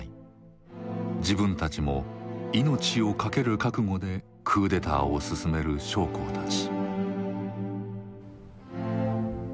自分たちも命を懸ける覚悟でクーデターをすすめる将校たち。